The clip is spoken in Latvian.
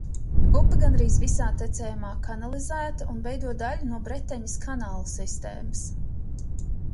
Upe gandrīz visā tecējumā kanalizēta un veido daļu no Bretaņas kanālu sistēmas.